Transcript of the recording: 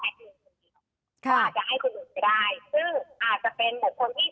แดดตัวมีอาจจะคุณอาจจะได้ซึ่งอาจจะเป็นหมวกควรที่